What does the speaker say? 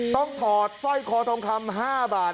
ถอดสร้อยคอทองคำ๕บาท